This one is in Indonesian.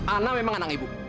ana memang anak ibu